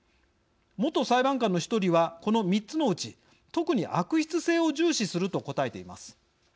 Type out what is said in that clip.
元裁判官の１人はこの３つのうち特に悪質性を重視すると答えています。